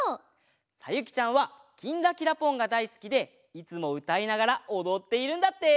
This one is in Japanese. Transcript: さゆきちゃんは「きんらきらぽん」がだいすきでいつもうたいながらおどっているんだって！